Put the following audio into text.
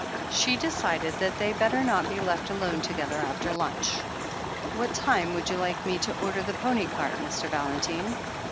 She decided that they had better not be left alone together after lunch. "What time would you like me to order the pony cart, Mr. Valentine?